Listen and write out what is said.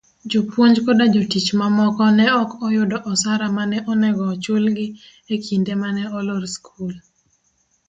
jopuonj koda jotich mamoko, ne okyud osara mane onego ochulgi ekinde mane olor skul.